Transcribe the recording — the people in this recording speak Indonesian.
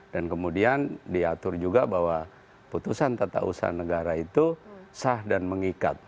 dan kemudian diatur juga bahwa putusan tata usaha negara itu sah dan mengikat